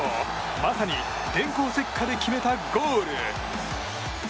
まさに電光石火で決めたゴール。